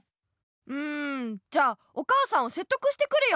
うんじゃあお母さんをせっとくしてくるよ！